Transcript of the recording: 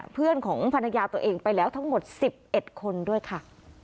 เพื่อนของภรรยาตัวเองไปแล้วทั้งหมด๑๑คนด้วยค่ะ